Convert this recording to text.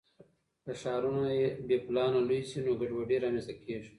که ښارونه بې پلانه لوی سي نو ګډوډي رامنځته کیږي.